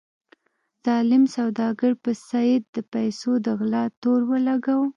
ظالم سوداګر په سید د پیسو د غلا تور ولګاوه.